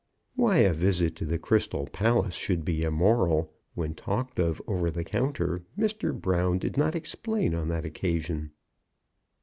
Why a visit to the Crystal Palace should be immoral, when talked of over the counter, Mr. Brown did not explain on that occasion.